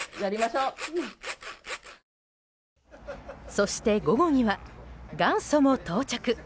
そして、午後には元祖も到着。